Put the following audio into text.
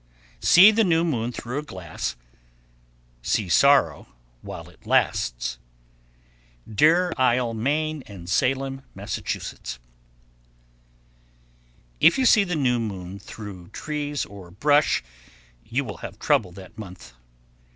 1104. See the new moon through a glass, See sorrow while it lasts. Deer Isle, Me., and Salem, Mass. 1105. If you see the new moon through trees or brush, you will have trouble that month.